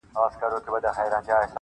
o لوستونکي پرې ژور فکر کوي تل,